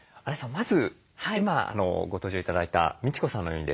まず今ご登場頂いたみち子さんのようにですね